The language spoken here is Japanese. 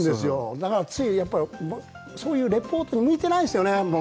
だからついそういうレポートに向いてないんですよね。